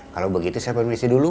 kalau begitu saya permisi dulu